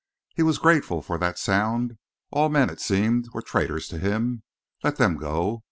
He was grateful for that sound. All men, it seemed, were traitors to him. Let them go.